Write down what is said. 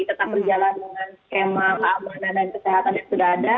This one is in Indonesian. tetap berjalan dengan skema keamanan dan kesehatan yang sudah ada